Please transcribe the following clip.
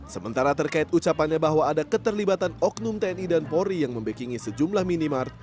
sementara terkait ucapannya bahwa ada keterlibatan oknum tni dan polri yang membekingi sejumlah minimark